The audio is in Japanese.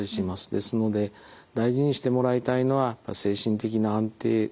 ですので大事にしてもらいたいのは精神的な安定。